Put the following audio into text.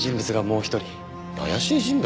怪しい人物？